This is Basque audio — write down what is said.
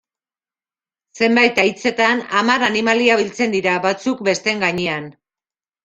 Zenbait haitzetan, hamar animalia biltzen dira, batzuk besteen gainean.